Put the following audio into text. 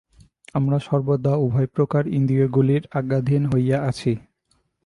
আমরা সর্বদা উভয়প্রকার ইন্দ্রিয়গুলির আজ্ঞাধীন হইয়া আছি।